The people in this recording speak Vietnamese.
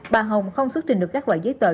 bà hồng không xuất trình được các loại giấy tờ